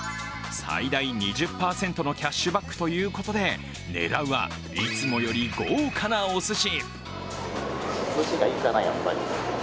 最大２０％のキャッシュバックということで狙うはいつもより豪華なおすし。